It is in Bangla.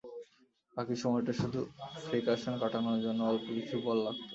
বাকি সময়টা শুধু ফ্রিকাশন কাটানোর জন্যে অল্প কিছু বল লাগত।